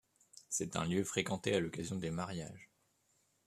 C'est un lieu fréquenté à l'occasion des mariages.